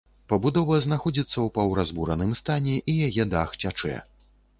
Пабудова знаходзіцца ў паўразбураным стане і яе дах цячэ.